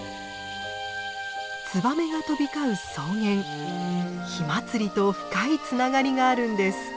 ツバメが飛び交う草原火祭りと深いつながりがあるんです。